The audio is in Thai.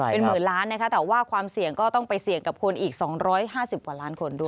เป็นหมื่นล้านนะคะแต่ว่าความเสี่ยงก็ต้องไปเสี่ยงกับคนอีก๒๕๐กว่าล้านคนด้วย